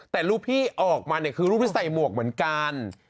แต่รูปพี่ออกมาเนี่ยคือรูปที่ใส่หมวกเหมือนกัน